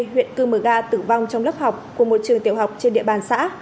huyện cư mờ ga tử vong trong lớp học của một trường tiểu học trên địa bàn xã